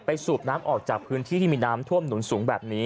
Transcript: สูบน้ำออกจากพื้นที่ที่มีน้ำท่วมหนุนสูงแบบนี้